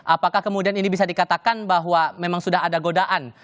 apakah kemudian ini bisa dikatakan bahwa memang sudah ada godaan